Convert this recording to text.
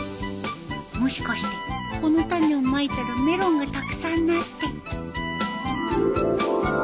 もしかしてこの種をまいたらメロンがたくさんなって